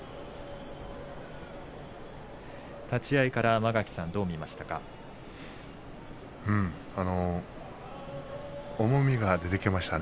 立ち合いから間垣さんどう見ました？